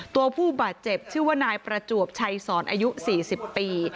ตัวผู้บาดเจ็บชื่อว่านายประจวบชัยสอนอายุ๔๐ปี